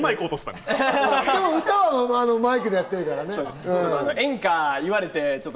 でも歌はマイクでやってるんだよね？